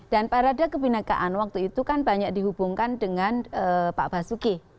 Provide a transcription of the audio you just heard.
dan parade kebhinnekaan waktu itu kan banyak dihubungkan dengan pak basuki